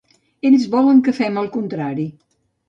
Ells volen que fem el contrari.